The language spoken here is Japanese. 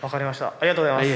ありがとうございます。